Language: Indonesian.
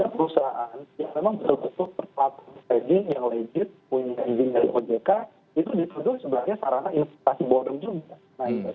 dan perusahaan yang memang berfokus untuk melakukan trading yang legit punya izin dari ojk itu dikudul sebagai sarana investasi bodong juga